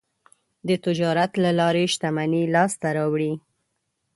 د تجارت له لارې شتمني لاسته راوړي.